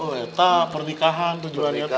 oh etah pernikahan tujuannya teteh